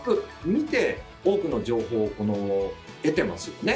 見て多くの情報を得てますよね。